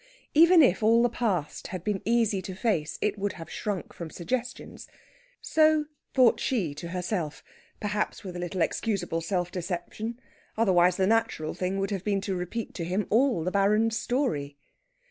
Even if all the past had been easy to face it would have shrunk from suggestions. So thought she to herself, perhaps with a little excusable self deception. Otherwise the natural thing would have been to repeat to him all the Baron's story.